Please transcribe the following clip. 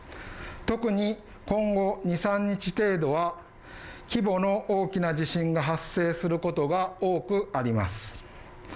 特に、今後２３日程度は、規模の大きな地震が発生することが多くあります。